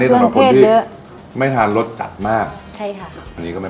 มันจะหอมขว่บเนียมผามยอมเปรี้ยวนิด